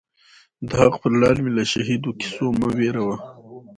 د حق پر لار می له شهیدو کیسو مه وېروه